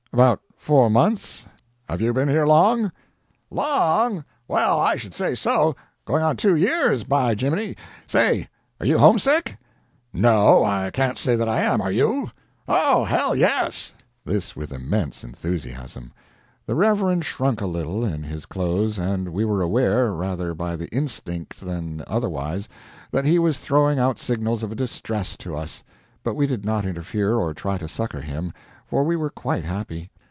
"About four months. Have you been over long?" "LONG? Well, I should say so! Going on two YEARS, by geeminy! Say, are you homesick?" "No, I can't say that I am. Are you?" "Oh, HELL, yes!" This with immense enthusiasm. The Reverend shrunk a little, in his clothes, and we were aware, rather by instinct than otherwise, that he was throwing out signals of distress to us; but we did not interfere or try to succor him, for we were quite happy.